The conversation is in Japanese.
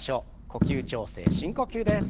呼吸調整深呼吸です。